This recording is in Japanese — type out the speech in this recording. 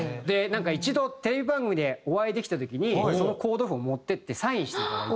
なんか一度テレビ番組でお会いできた時にそのコード譜を持っていってサインしていただいて。